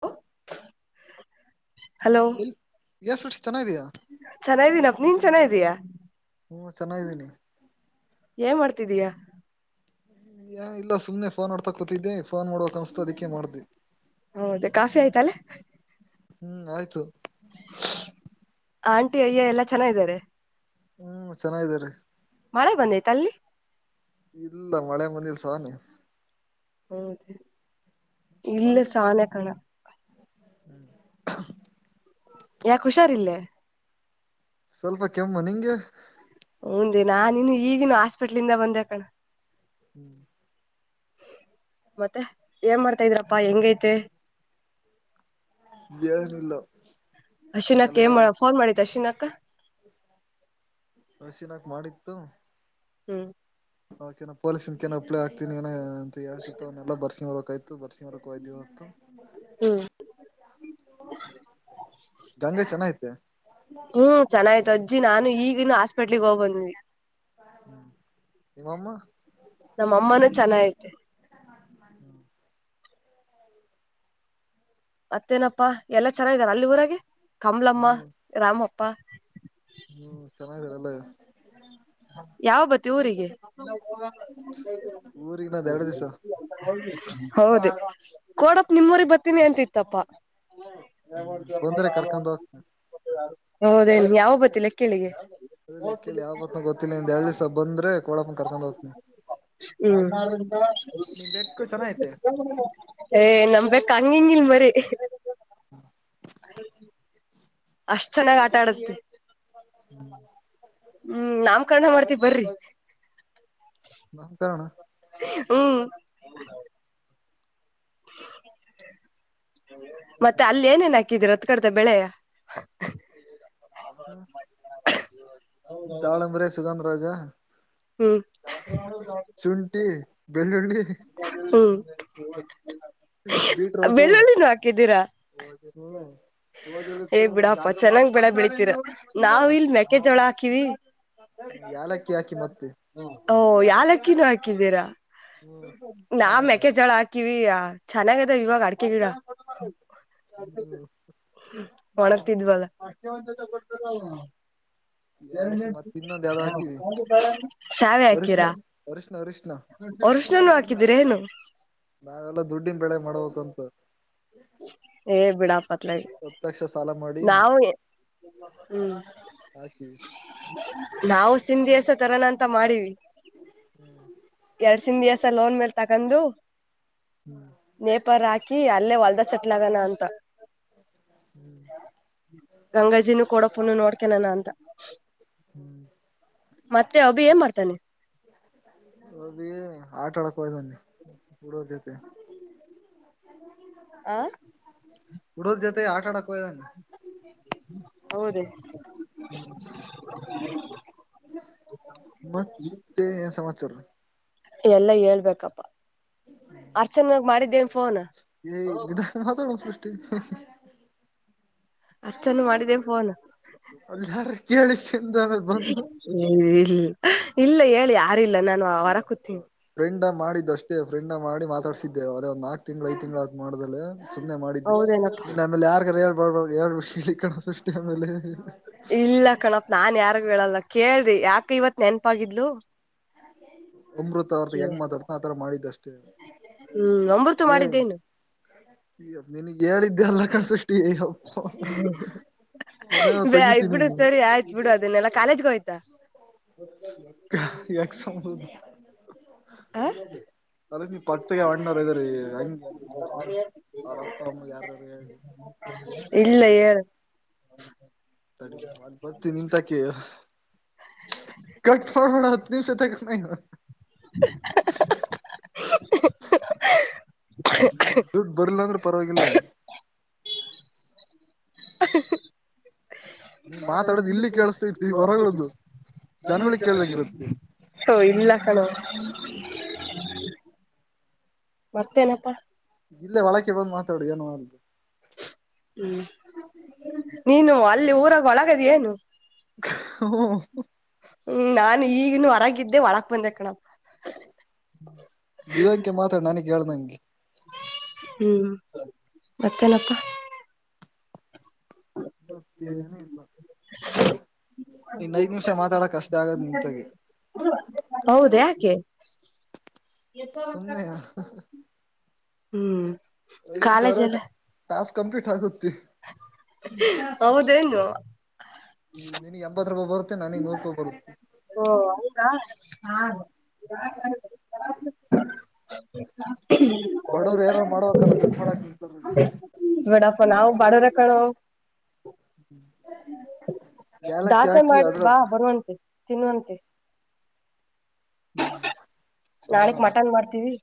ಹ ಹಲೋ ಎ ಸೃಷ್ಟಿ ಚೆನ್ನಾಗಿದೀಯಾ ಚೆನ್ನೀನಪ್ಪ ನೀನ್ ಚೆನ್ನ ಇದೀಯಾ ಹ್ಮ್ ಚೆನ್ನಿದ್ದೀನಿ ಏನ್ ಮಾಡ್ತಿದೀಯಾ ಇಲ್ಲ ಸುಮ್ನೆ ಫೋನ್ ಆಡ್ತಾಕ್ ಕೂತಿದ್ದೆ ಫೋನ್ ಮಾಡುವ ಕ ಅನಸ್ತು ಅದಕ್ಕೆೇ ಮಾಡ್ದ ಹೌದ ಕಾಫಿ ಆಯ್ತಲ್ಲ ಹ್ಮ್ ಆಯ್ತು ಆಂಟಿ ಅಯ್ಯ ಎಲ್ಲಾ ಚೆನ್ನ ಇದಾರೆ ಹ್ಮ್ ಚೆನ್ನಾರ ಮಳೆ ಬಂದೈತ ಅಲ್ಲಿ ಇಲ್ಲ ಮಳೆ ಮಂದಿಲ್ ಸಹಾನ ಹೌದ ಇಲ್ಲ ಸಾನ ಕಣ ಹ್ಮ್ ಯಾಕ ಹುಷಾರಿಲ್ಲೇ ಸ್ವಲ್ಪ ಕೆಮ್ಮು ನಿಂಗೆ ಹಂದ ನಾ ನೀನು ಈಗಿನ ಹಾಸ್ಪಿಟ್ಲಿಂದ ಬಂದಕಣ ಹ್ಮ್ ಮತ್ತೆ ಏನ್ ಮಾಡ್ತಾ ಇದ್ರಪ್ಪಾ ಹೆಂಗೈತಿ ಏನಿಲ್ಲ ಎಲ್ಲ ಹೇಳ್ಬೇಕು ಅಶಿನಕ್ಕ ಫೋನ್ ಮಾಡತ್ ಅಶಿನಕ್ಕ ಹಶಿನಾಕ್ ಮಾಡಿತ್ತು ಹ್ಮ್ ಓಕೆ ನ ಪೋೀಸಿನ ಏ ಅಪ್ೇ ಹಾತನ ಏನ ಅಂತ ಹೇಳಳ್ ಸಿಕ್ತವ ಎಲ್ಲ ಬರ್ಸ್ಕಿ ಬರ್ಬೇಕಕ್ಯ ತು ಬರ್ಷಿಂಗಾರ ಕೆ ಹೋಗಿತ್ತು ಹ್ಮ್ ಗಂಗೆ ಚೆನ್ನ ತೆ ಹ್ಮ್ ಚೆಾಯ್ತು ಅಜ್ಜಿ ನಾನು ಈಗಿನ ಹಾಸ್ಪೆಟ್ಲ್ಿಗೆ ಹೋಗ್ ಬಂದ್ವಿ ಹ್ಮ್ ಇ ಒಮ್ಮ ನಮ್ಮ ಅಮ್ಮನೂ ಚೆನ್ನಾಗೈತೆ ಮತ್ತೇನಪ್ಪಾ ಎಲ್ಲಾ ಚೆನ್ನಾಗಾರ ಅಲ್ಲಿ ಊರಾಗ ಕಮಲಮ್ಮ ಹ್ಮ್ ರಾಮಪ್ಪ ಹ್ಮ್ ಚೆನ್ನಾಗಿರಲ್ಲ ಯಾವ ಬತಿ ಊರಿಗೆ ಊರಿಗಿನ್ನೊಂದ್ ಎರಡ್ ದಿವ್ಸ ಹೌದು ಕೊೋಡಪ್ ನಿಮ್ಮೂರಿ ಬರ್ತೀನಿ ಅಂತ ಇತ್ತಪ್ಪಾ ಹ್ಮ್ ತೊಂದರೆೆ ಕರ್ಕೊಂಡ ಹೋಗತ ಹೌದೇನೋ, ಯಾವಾಗ ಬರ್ತಿ ಲೆಕ್ಕಹಳ್ಳಿ ಅದಲ್ಲ ಕೇಳಿ ಯಾವತ್ನ ಗೊತ್ತಿಲ್ಲಂದ ಎ ದಸ ಬಂದ್ರೆ ಕೊೋಡಪ್ಪನ ಕರ್ಕೊಂಡ್ ಹೋಗ್ತನಿ ಹ್ಮ್ ನೀನ್ ಬೆಕ್ಕು ಚೆನ್ನ ಐತೆ ನ ಕ [inaudible] ಮರಿ ಅಷ್ಟ್ ಚೆನ್ನಾಗ್ ಆಟಾ ಆಡುತ್ತೆ ಹ್ಮ್ ಹ್ಮ್ ನಮ್ ಕರ್ಣ ಮಾಡ್ತವಿ ಬರ್ರಿ ನಾಮಕರಣ ಹ್ಮ್ ಮತ್ತೆ ಅಲ್ಲಿ ಏನೇನ್ ಹಾಕಿದೀರ ಅತ್ ಕಡತ ಬೆಳೆ ತಾಳಂಬರ ಸುಗಾಂದ್ರಜಾ ಹ್ಮ್ ಬೆಳ್ಳುಳ್ಳಿ ಹ್ಮ್ ಬೀಟ್ರೋಟು ಬೆಳ್ಳುಳ್ಳಿನ ಹಾಕಿದ್ದೀರಾ ಹ್ಮ್ ಏ ಬಿಡಪ್ಪ ಚೆನ್ನಾಗ್ ಬಡ ಬೆಳಿತೀರ ನಾವ್ ಮತ್ ಇಲ್ ಮೆಕ್ಕೆೆ ಜೋಳ ಹಾಕಿವ ಯಾಲಕ್ಕಿ ಹಾಕಿ ಮತ್ತೆ ಓ ಯಾಲಕ್ಕಿನ ಹಾಕಿದ್ದೀರಾ ಹ್ಮ್ ನಾವು ಅಡಕೆ ಜಳ ಹಾಕಿವಿ ಚೆನ್ನಾಗದಾವ ಇವಾಗ ಅಡಕೆ ಗಿಡ ಹ್ಮ್ ಒಣಗ್ತಿದ್ವಲ್ಲ ಯಾಲಕ್ಕಿ ಮತ್ತ ಇನ್ನೊಂದ್ ಯಾವ್ದ ಹಾಕಿವಿ [unintelligible] ಸಾವೆ ಅರಿಶಿನ ಹಾಕೀರಾ ಅರಿಶಿನ ಅರಿಶಿನ ವರ್ಷ್ಣನು ಹಾಕಿದೀರ ಏನು ನಾವೆಲ್ಲ ದುಡ್ಡನ್ ಬೆಳೆ ಮಾಡ್ಬೇಕಂತ ಏ ಬಿಡಾಪತ್ಲ ಹತ್ತು ಲಕ್ಷ ಸಾಲ ಮಾಡಿ ನಾವವು ಹ್ಮ್ ಹಾಕಿವಿ ನಾವು ಸಿಂಧಿಸ ತರೋನ ಅಂತ ಮಾಡೀಿವವಿ ಎರಡ್ ಸಿಧಿಸ ಲೋನ್ ಮೇಲ್ಾ ಗಂದು ಹ್ಮ್ ನೇಪಾರ ಹಾಕಿ ಅಲ್ಲೇ ಹೊಲ್ದ ಸೆಟ್ಲ್ ಆಗೋಣ ಅಂತ ಗಂಗಾಜಿನೂ ಕೊಡಪ್ಪನು ನೋಡ್ಕನಾನ ಅಂತ ಹ್ಮ್ ಮತ್ತೆ ಅಬಿ ಏನ್ ಮಾಡ್ತಾನೆ. ಅದ ಆಟ ಆಡಕ್ ಹೊಗಿದನೆ ಹುಡ್ಗುರ್ ಜೊತೆ. ಆ ಹುಡ್ಗುರ್ ಜೊತೆ ಆಟ ಆಡಕ್. ಹೋಗಿದಾನೆ ಹೌದ [inaudible] ಹ್ಮ್ ಮತ್ತೆ ಏನ್ ಸಮಾಚಾರ. ಎಲ್ಲಾ ಹೇಳ್ಬೇಕಪ್ಪ. ಅರ್ಚನಾಗ ಮಾಡಿದ್ದೇನ್ ಫೋನ್. ಏ ನಿಧಾನ [inaudible] ಅರ್ಚನಗ್ ಮಾಡಿದ್ದೇನ್ ಫೋನ್. ಅಲ್ಲಿ ಯಾರ ಕೇಳಿಸ್ಕೊಂಡ ಆಮೇಲೆ ಬಂದು ಇಲ್ಲ ಇಲ್ಲ ಹೇಳಿ ಯಾರ. ಇಲ್ಲ ನಾನು ಆ ವರಗ್ ಕುತೀನಿ. ಮಾಡಿದ್ದ ಅಷ್ಟೇ ಫ್ರೆಂಡ್ ಮಾಡಿ ಮಾತಾಡ್ಸಸಿದ್ದೆ ಅವರೇ ಒಂದು ನಾಕ್ ತಿಂಗಳು ಐದು ತಿಂಗಳುಕ್ ಮಾಡ್ದೇ. ಸುಮ್ಮನೆ ಮಾಡಿದ್ದೆ ಹೌದೇನಪ್ಪ ನಿನ್ ಆಮೇಲೆ ಯಾರ್ ಕ್ರ ಹೇಳ್ಬಾರಬ ಹೇಳ್ಬು ಇಲ್ಲಿ ಕಣ ಸೃಷ್ಟಿ ಆಮೇಲೆ. ಇಲ್ಲ ಕಣಪ ನಾನ್ ಯಾರಾಗ ಹೇಳಲ್ಲ ಕೇಳ್ರಿ ಯಾಕ ಇವತ್ ನೆನ್ಪಾಗಿದ್ಲು. ಅಮೃತ ಅವರ್ತ ಹೆಂಗ್ ಮಾತಾಡ್ತ ಆತರ ಮಾಡಿದಷ್ಟು. ಹ್ಮ್ ಅಮ್ರುತಂಗ್ ಮಾಡಿದ್ದೇನು. ನಿನಗ್ ಹೇಳಿದ್ದೆಲ್ಲ ಕಾಣ್ ಸೃಷ್ಟಿ ಯಪ್ಪ. ನಾನ ಬ ಇಬ ತೆಗಿತೀನಿ ಬಿಡು ನೀನು ಸರಿ ಆಯ್ತ್ ಬಿಡು ಅದನ್ನೆಲ್ಲಾ ಕಾಲೇಜ್ಗೋಗಿದ್ದ. ಯ [inaudible] ಹ ಅರಿ ನೀ ಪಕ್ಕಗೆ ಹಣ್ಣವರು ಇದರೆ ಹಂಗೆ ಸೃಷ್ಟಿಯ ಅವ್ರಪ್ಪ ಅಮ್ಮ ಯಾರಾರು ಹೇಳಿ. ಇಲ್ಲ ಹೇಳು. ಡಿ ಬರ್ತೀನಿ ನಿಂತಕ ಕಟ್ ಮಾಡೋ ಹತ್ತು ನಿಮಿಷ. [inaudible] [inaudible] ದುಡ್ಡು ಬರ್ಲ್ಲ ಅಂದ್ರು ಪರವಾಗಿಲ್ಲ. [inaudible] ನೀ ಮಾತಾಡದ್ ಇಲ್ಲಿಗ್ ಕೇಳಿಸತೈತಿ ಹೊರಗದ್ದು. ತೊ ಇಲ್ಲ ಕಣೊ. [inaudible] ಮರ್ತೇನಪ್ಪಾ ಇಲ್ಲ ವಳಕೆ ಬಂದ್ ಮಾತಾಡು ಏನು ಆಗಲ್ಲ. ಹ್ಮ್ ನೀನು ಅಲ್ಲಿ ಊರಾಗ ಒಳಗದಿ ಏನು. ಹ್ಮ ಹ್ಮ್ ನಾನ್ ಈಗಿನ್ನು ಹೊರಗಿದ್ದೆ ಒಳಕ್ ಬಂದೆ ಕಣಪ್ಪ. ನಿದಾನುಕೆ ಮಾತಾಡ ನನಗ್ ಹೇಳ್ದಂಗೆ. ಹ್ಮ್ ಮತ್ತೆನಪ್ಪ ಮತ್ತೇನು ಇಲ್ಲ ಇನ್ ಐದ್ ನಿಮಿಷ ಮಾತಾಡಕ ಅಷ್ಟ ಆಗದ್ ನಿಂತಗೆ. ಹೌದ ಯಾಕೆ ಸುಮ್ನೆ ಹ್ಮ್ ಐದ್ ನಿಮಿಷ ಕಾಲೇಜ್ ಎಲ್ಲ ಅರಾಟೆ ಟಾಸ್ಕ್ ಕಂಪ್ಲಿಟ್ ಆಗುತ್ತೆ. ಹೌದೇನು ನಿನಗ್ ಎಪತ್ ರೂಪಾಯ್ ಬರುತ್ತೆ ನನಗ್ ನೂರು ರೂಪಾಯಿ ಬರುತ್ತೆ. ಓ ಹಂಗಾ [inaudible] ಬಡವ್ರು ಏನಾರ ಮಾಡ್ಬೇಕಲ್ಲ ದುಡ್ಡು ಮಾಡಕ್ ನಿಂತಾರ [inaudible] ಬೀಡಪ್ಪ ನಾವು ಬಡುವ್ರೆ ಕಣೊ. [inaudible] ದಾಸೆ ಹಾಕಿ ಮಾಡಿ ಬಾ ಅದ್ರಲ್ ಬರುವಂತೆ ತಿನ್ನುವಂತೆ ಹ್ಮ್ ನಾಳಕ್ ಮಟನ್ ಮಾಡ್ತೀವಿ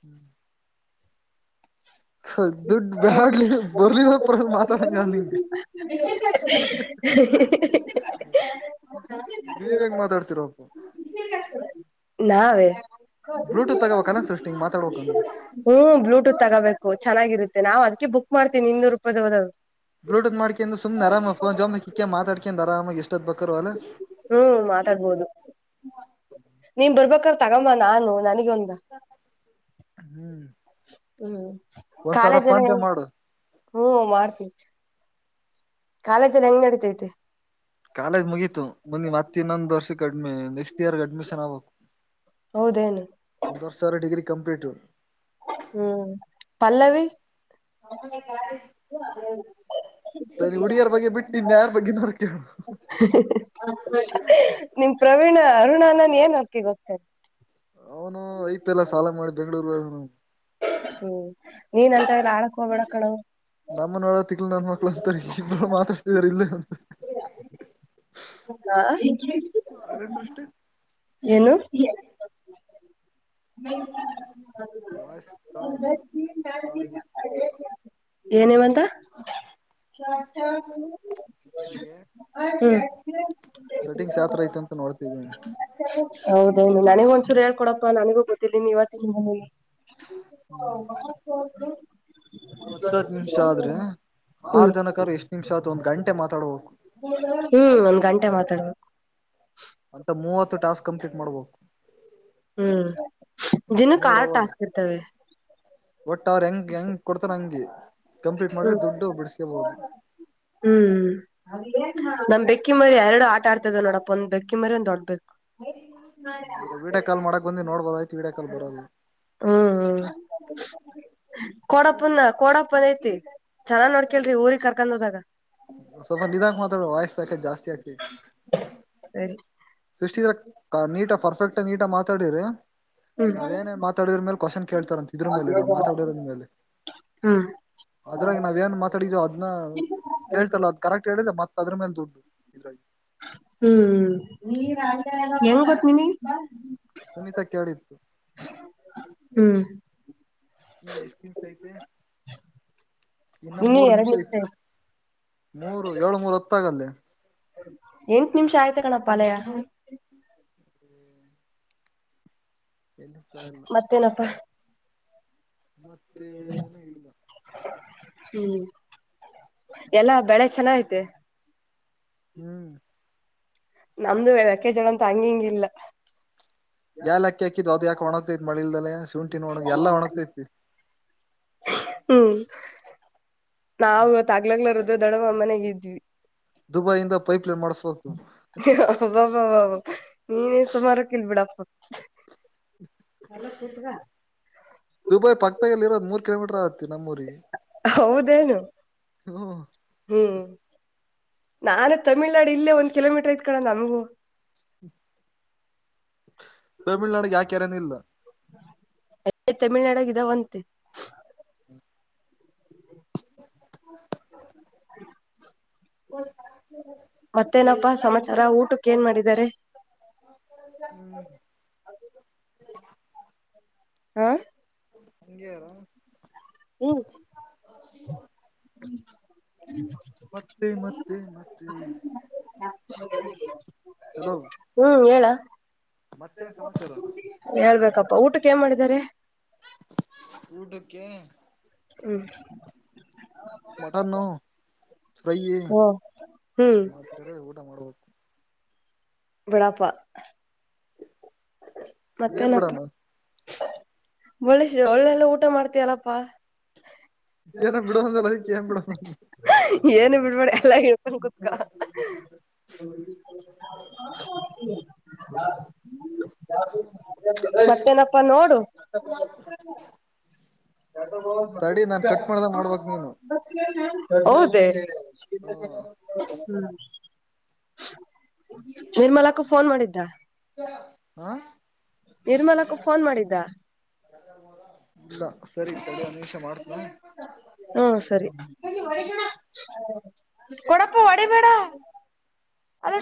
ಹ್ಮ್ ದುಡ್ಡು ಬ್ಯಾಡ್ಲಿ ಬರ್ಲಿಲ್ಲ ಪರವಾಗಿಲ್ಲ ಮಾತಾಡಂಗ ಹೌ ನಿಂಗೆ [unintelligible] ನೀವ ಹೆಂಗ ಮಾತಾಡ್ತಿರಪ್ಪ ನಾವೇ ಬ್ಲೂಟೂತ್ ತಗೋಬೇಕಲ್ಲ ಸೃಷ್ಟಿ ಹಿಂಗ್ ಮಾತಾಡ್ಬೇಕ್ ಅಂದ್ರೆ ಹ್ಮ್ ಬ್ಲೂಟೂತ್ ತಗೋಬೇಕು ಚೆಾಗಿರುತ್ತ ನಾ ಅದಕ್ಕೆ ಬಕ್್ತನಿ ಇನ್ನೂರು ರೂಪಾಯ್ ಹೋದಾಗ ಬ್ಲೂಟೂತ್ ಮಾಡ್ಕೊಂಡ್ರ ಸುಮ್ ಆರಾಮ ಫೋ ಜಾಮ್ಾಿಕ ಮಾತಾಡ್ಕೊಂಡ ಅ ಆರಾಮಷ್ಟು ಹ್ಮ್ ಮಾತಾಡ್ಬೋದು ನೀನ್ ಬರ್ಬೇಕಾರ ತಗಮ್ಮ ನಾನು ನನಗೊಂದ ಹ್ಮ್ ಹ್ಮ್ ಒಂದ್ ಸಾವಿರ ಕಾಲೇಜ್ ಎಲ್ಲ ಫೋನ್ ಪೇ ಮಾಡು ಹ್ಮ ಮಾಡ್ತೀವಿ ಕಾಲೇಜಲ್ಲಿ ಹೆಂಗ್ ನಡೀಿತೈತೆ ಕಾಲೇಜ್ ಮುಗೀತು ಬನ್ನಿ ಮತ್ತೆ ಇನ್ನೊಂದು್ ವರ್ಷಕ್ಕೆ ಕಡ್ಮಿ ನೆಕ್ಸ್ಟ್ ಇಯರ್ ಅಡ್ಮಿಷನ್ ಆಗ್ಬೇಕು ಹೌದೇನು ಒೊಂದು ವರ್ಷರ ಡಿಗ್ರಿ ಕಂಪ್ಲಿಟ್ ಹ ಹ್ಮ್ ಪಲ್ಲವಿ ಹ ಸರಿ ಹುಡುಗಿಯರ ಬಗ್ಗೆ ಬಿಟ್ಟು ಇನ್ ಯಾರ ಬಗ್ಗೆನಾರು ಕೇಳು ನಿಮ ಪ್ರವೀಣ ಅರುಣ್ ನ ನನ್ ಏನ್ ಅಕ್ಕೆ ಗೊತ್ತಾರೆ ಅವನು ಐಪ ಎಲ್ಲಾ ಸಾಲ ಮಾಡಿ ಬೆಂಗ್ಳೂರ್ ಹ್ಮ್ ನೀನ್ಂತ ಇಲ್ಲ ಆಡಕ್ ಹೋಗಬೇಡ ನಮ್ಮನಳ ತಿಕ್ಳ ನಂದ ಮಕ್ಳು ಅಂತಾರೆ ಈಗ್ ಬಳ ಮಾತಾಡ್ತಿದಾರ ಇಲ್ಲ ಅಂತ ಹಾ ಅರೆ ಸೃಷ್ಟಿ ಏನು ವಾಯ್ಸ್ ಕಾಲ್ ಕಾಲ್ ಏನೇವಂತ ಇದ್ರಾಗೆ ಹ್ಮ್ ಸೆಟಿಂಗ್ಸ್ ಯಾವತರ ಐತಿ ಅಂತ ನೋಡ್ತಿದೇಿ ಹೌದೇನು ನನಗ ಒಂಚೂರು ಹೇಳ್ಕೊಡಪ್ಪಾ ನನಗೂ ಗೊತ್ತಿದ್ದೀನಿ ಇವತ್ತಿನ ನಿಮ್ಮ ಮನೆಯಲ್ಲಿ ಹತ್ತತ್ ನಿಮಿಷ ಆದ್ರೆ ಹ್ಮ್ ಆರ್ ಜನಕರು ಎಷ್ಟ್ ನಿಮಿಷ ಆತು ಒಂದ್ ಗಂಟೆ ಮಾತಾಡ್ಬೇಕು ಹ್ಮ್ ಒಂದ್ ಗಂಟೆ ಮಾತಾಡ್ಬೇಕು ಅಂತ ಮೂವತ್ತು ಟಾಸ್ಕ್ ಕಂಪ್ಲೀಟ್ ಮಾಡ್ಬೇಕು ಹ್ಮ್ ದಿನಕ್ಕೆಾರ್ ಟಾಸ್ಕ್ ಇರ್ತವೆ ಒಟ್ಟ ಅವ್ರರು ಹೆಂಗ ಹೆಂಗ್ ಕೊಡ್ತಾನ ಹಂಗೆ ಕಂಪ್ಲೀಟ್ ಮಾಡಿದ್ರೆ ಹ್ಮ್ ದುಡ್ಡು ಬಿಡಿಸಕಬಹುದು ಹ್ಮ್ ನಮ್ ಬೆಕ್ಕಿ ಮರಿ ಎರಡು ಆಟ ಆಡ್ತದ ನೋಡಪ್ಪ ಒಂದ್ ಬೆಕ್ಕಿ ಮರಿ ಒಂದ ದೊಡ್ಡ ಬೆಕ್ ವೀಡ್ಯಾಕಾಲ್ ಮಾಡಕ್ ಬಂದಿ ನೋಡ್ಬೋದ ಆಯ್ತು ವೀಡ್ಯಾಕಾಲ್ ಬರೋದು ಹ್ಮ ಕಡಪ್ಪನ ಕೋಡಪ್ಪನ ಐತಿ ಚನ್ನ್ ನೋಡ್ಕಲ್ಿ ಊರಿಗೆ ಕರ್ಕೊಂಡ್ ಹೋದಾಗ ಸ್ವಲ್ಪ ನಿಧಾಕ್ ಮಾತ್ರ ವಯಸ್ಸ ಆಾಕತಿ ಜಾಸ್ತಿ ಆಾಕತಿ ಸರಿ ಸೃಷ್ಟಿದರ ನೀಟ ಪರ್ಫೆಕ್ಟ್ ನೀಟ ಮಾತಾಡ್ರ ಹ್ಮ್ ನಾವ್ೇಏನೇ ಮಾತಾಡಿದ್ರ ಮೇಲೆ ಕ್ವಶನ್ ಕೇಳ್ತಾರಂತ ಇದ್ರ ಮೇಲೆ ನಾವ್ ಮಾತಾಡಿರದ ಮೇಲೆ ಹ್ಮ್ ಅದ್ರಾಗ ನಾವ ಏನ್ ಮಾತಾಡಿದ ಅದನ್ನ ಕೇಳ್ತಲ್ಲ ಅದ್ ಕರೆಕ್ಟ್ ಹೇಳಿದೆೆ ಮತ್ತ ಅದ್ರ ಮೇಲೆ ದುಡ್ಡು ಇದ್ರಾಗ ಹ್ಮ್ ಹೆಂಗ್ ಗೊತ್್ಮಿನಿ ಸುನೀತಾ ಕೇಳಿತ್ತು ಹ್ಮ್ ಹ್ಮ್ ಎಷ್ಟಕ್ರನ್ ಸಹಿತ ಇನ್ನು ಮೂರು ನಿಮಿಷ ಐತಿ ಮೂರು ಏಳ್ು ಮೂರು ಹೊತ್ತಾಗಲ್ಲೇ ಎಂಟ ನಿಮಿಷ ಆಯ್ತಾ ಕಣಪ್ಪ ಅಲಯ ಏಳ್ ನಿಮಿಷ ಮತ್ತೇನಪ್ಪಾ? ಮತ್ತೇನೂ ಇಲ್ಲ. ಹ್ಮ್ ಎಲ್ಲಾ ಬೆಳೆ ಚೆನ್ನ ಐತೆ. ಹ್ಮ್ ನಮ್ದು ಮೆಕ್ಕೆ ಜೋಳ ಅಂತು ಹಂಗಿಗಿಲ್ಲ. ಯಾಲಾಕ್ಕಿ ಹಾಕಿದ್ ಅದು ಯಾಕೆ ಒಣಗಗ್ತೈತಿ ಮಳಿಲ್ದಲ್ಲ ಶುಂಠಿನ ಒಣಗ ಎಲ್ಲ ಒಣಗ್ತೈತಿ. ಹ್ಮ್ ನಾವಿವತ್ತಗ್ಲಗ್ಲ [unintelligible] ದೊಡವ ಮನೆಗ್ ಇದ್ವಿ. ದುಬೈಂದ ಪೈಪ್ಲೈನ್ ಮಾಡಸ್ಬೇಕು. ಅಬ್ಬಬ್ಬ ನೀನೇ ಸುಮಾರ್ಕಿಲ್ಬಿಡಪ್ಪ. ಅಲ್ಲೋಗ್ ಕೂತ್ಗ. ದುಬೈ ಪಕ್ಕತದಲ್ಲಿ ಇರೋದ್ ಮೂರ್ ಕಿಲೋಮೀಟರ್ ಆತಿ ನಮ್ಮೂರಿಗೆ. ನು [unintelligible] ಹ್ಮ ಹ್ಮ್ ನಾನೇ ತಮಿಳ್ನಾಡು ಇಲ್ಲೇ ಒಂದ್ ಕಿಲೋಮೀಟರ್ ಐತ್ ಕಣ ನಮಗೂ. ತಮಿಳ್ನಾಡ್ಗೆ ಯಾವ್ ಕೆರೆನೂ ಇಲ್ಲ. [unintelligible] ತಮಿಳ್ನಾಡಾಗ ಇದ್ದಾವಂತೆ. [inaudible] ಒ ಮತ್ತೇನಪ್ಪಾ ಸಮಾಚಾರ ಊಟಕ್ಕೇನ್ ಮಾಡಿದ್ದಾರೆ? ಹ್ಮ್ ಹಾ ಅಂಗೆ ಇರು. ಹ್ಮ್ ಹ [unintelligible] ಹ್ಮ್ ಹ್ಮ್ ಹೇಳೊ. ಮತ್ತೇನ್ ಸಮಾಚಾರ? ಹೇಳ್ಬೇಕಪ್ಪಾ ಊಟಕ್ಕೇನ್ ಮಾಡಿದ್ದಾರೆ? ಊಟಕ್ಕೆ. ಹ್ಮ್ ಮಟನ್ನು ಫ್ರೈ ಹಓ ಹ್ಮ್ ಮಾಡಿದ್ದಾರೆ ಊಟ ಮಾಡ್ಬೇಕು. ಬಳಾಪ. ಏನ್ ಮತ್ತೇನಪ್ಪ? ಬಿಡಣ ಒಳ್ಳೆಸ ಒಳ್ಳೆಲ್ಲ ಊಟ ಮಾಡ್ತಿಯಲಪ್ಪಾ. ಏನ ಬಿಡು ಅಂದಲ್ಲ ಅದಕ್ಕೆ ಏನ್ ಬಿಡಣ ಏನು ಬಿಡ್ಬೇಡಿ ಎಲ್ಲ [unintelligible] ಗೋಸ್ಕರ [unintelligible] [inaudible] ಮತ್ತೇನಪ್ಪಾ ನೋಡು. [inaudible] ಮಾಡ್ದ ಮಾಡ್ಬಕ್ ನೀನು ಹೌದೇ? ಹ್ಮ್ ನಿರ್ಮಲಾಕ್ಕ ಫೋನ್ ಮಾಡಿದ್ರಾ? ಹ ನಿರ್ಮಲಕ್ಕ ಫೋನ್ ಮಾಡಿದ್ದ? ಇಲ್ಲ ಸರಿ ತಡಿ ಮಾಡ್ತನ ಹ್ಮ ಸರಿ ಕೊಡಪ್ಪ ಹೊಡಿಬ್ [inaudible]